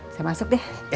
saya masuk deh